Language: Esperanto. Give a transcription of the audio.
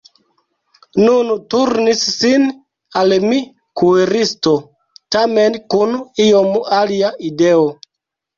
Nun turnis sin al mi kuiristo, tamen kun iom alia ideo.